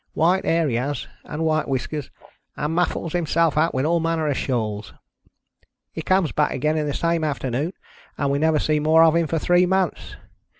White hair he has, and white whiskers, and muffles himself up with all manner of shawls. He comes back again the same afternoon, and •we never see more of him for t'vyee months.